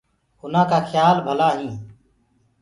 اُنآ ڪآ کيِآ ڀلآ هينٚ۔